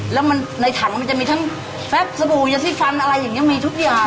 แล้วมันในถังมันจะมีทั้งแฟบสบู่ยาซี่ฟันอะไรอย่างนี้มีทุกอย่าง